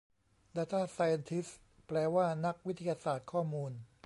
ดาต้าไซเอนทิสต์ แปลว่านักวิทยาศาสตร์ข้อมูล